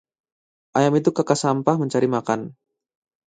ayam itu kakas sampah mencari makan